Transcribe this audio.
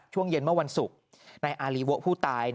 ช่วงเย็นเมื่อวันศุกร์นายอารีโวะผู้ตาย